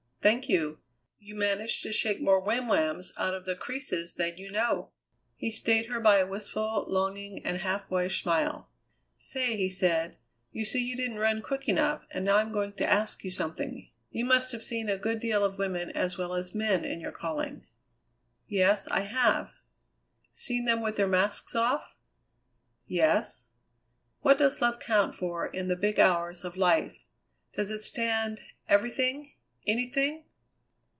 Thank you. You manage to shake more whim whams out of the creases than you know." He stayed her by a wistful, longing, and half boyish smile. "Say," he said, "you see you didn't run quick enough, and now I'm going to ask you something. You must have seen a good deal of women as well as men in your calling." "Yes, I have." "Seen them with their masks off?" "Yes." "What does love count for in the big hours of life? Does it stand everything, anything?"